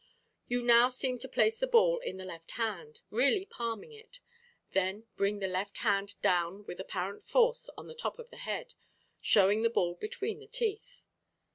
You now seem to place the ball in the left hand, really palming it; then bring the left hand down with apparent force on the top of the head, showing the ball between the teeth.